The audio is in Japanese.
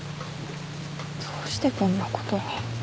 どうしてこんなことに。